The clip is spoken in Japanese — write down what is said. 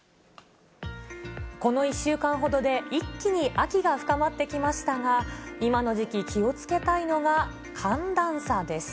この１週間ほどで一気に秋が深まってきましたが、今の時期、気をつけたいのが寒暖差です。